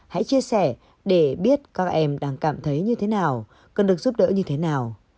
hãy chia sẻ để biết các em đang cảm thấy như thế nào cần được giúp đỡ như thế nào